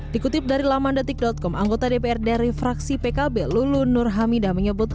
dikutip dari lamandetik com anggota dpr dari fraksi pkb lulunur hamida menyebut